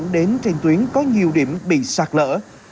đến trên tuyến có nhiều điểm bị sạc lỡ